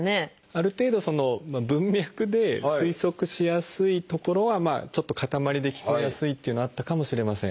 ある程度文脈で推測しやすい所はちょっと固まりで聞こえやすいっていうのはあったかもしれません。